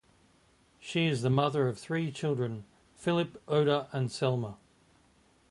She is the mother of three children, Filip, Oda and Selma.